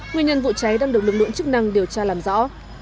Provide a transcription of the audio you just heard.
nguyên nhân vụ cháy đang được lực lượng chức năng điều tra làm rõ